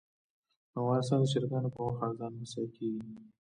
افغانستان د چرګانو په غوښه ځان بسیا کیږي